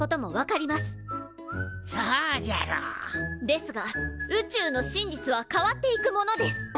ですが宇宙の真実は変わっていくものです！